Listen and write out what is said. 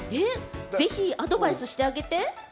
ぜひアドバイスしてあげて。